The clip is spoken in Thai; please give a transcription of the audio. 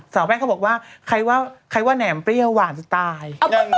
สาวแป้งเขาบอกว่าใครว่าแหน่มเปรี้ยวหวานจะตาย